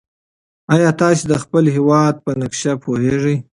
ایا تاسي د خپل هېواد په نقشه پوهېږئ؟